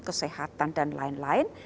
kesehatan dan lain lain